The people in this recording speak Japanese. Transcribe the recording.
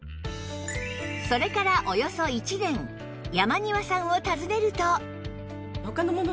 それからおよそ１年山庭さんを訪ねると